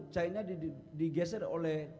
china di geser oleh